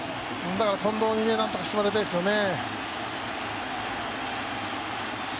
だから近藤に何とかしてもらいたいですよね。